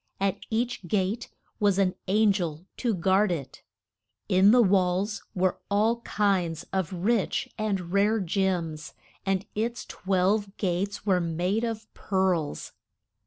At each gate was an an gel to guard it. In the walls were all kinds of rich and rare gems, and its twelve gates were made of pearls.